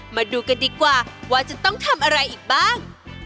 มาดูกันดีกว่าว่าจะต้องทำอะไรอีกบ้าง